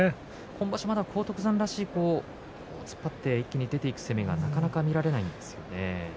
今場所まだ荒篤山らしい突っ張って出ていく攻めがなかなか見られないですね。